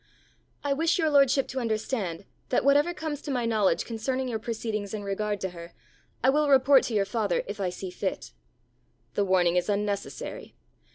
"I wish your lordship to understand that whatever comes to my knowledge concerning your proceedings in regard to her, I will report to your father if I see fit." "The warning is unnecessary.